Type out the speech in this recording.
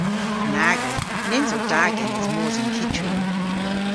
Nag o. Nyns o da genes mos yn kyttrin.